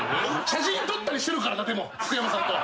写真撮ったりしてるからなでも福山さんと。